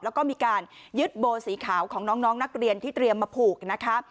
แล้วก็มีการยึดโบสีขาวของน้องนักเรียนที่เตรียมมาผูกนะคะ